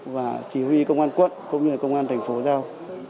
và chỉ huy công an quận cũng như công an thành phố giao